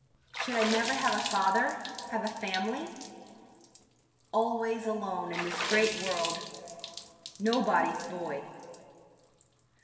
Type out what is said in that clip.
Should I never have a father, have a family? Always alone in this great world! Nobody's boy!